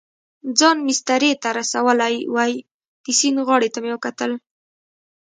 ځان مېسترې ته رسولی وای، د سیند غاړې ته مې وکتل.